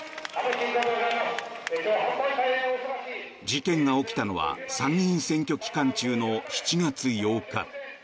事件が起きたのは参議院選挙期間中の７月８日。